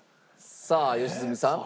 さあ良純さん。